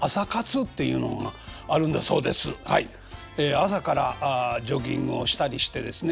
朝からジョギングをしたりしてですね